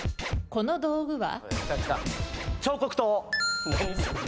この道具は？